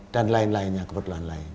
dan lain lainnya kebetulan lain